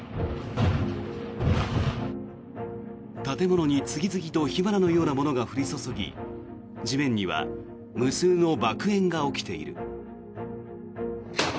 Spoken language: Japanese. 建物に次々と火花のようなものが降り注ぎ地面には無数の爆炎が起きている。